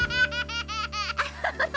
アハハハ。